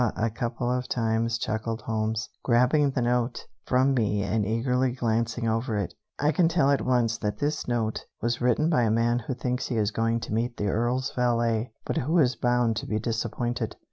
a couple of times!" chuckled Holmes, grabbing the note from me and eagerly glancing over it. "I can tell at once that this note was written by a man who thinks he is going to meet the Earl's valet, but who is bound to be disappointed."